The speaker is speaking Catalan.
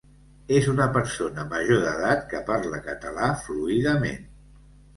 És una persona major d'edat que parla català fluidament.